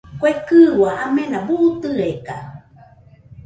Kue kɨua amena buu tɨeka.